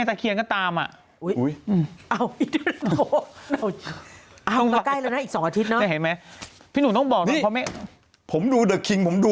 จะเก็บไปรวยคนเดียวเลยไง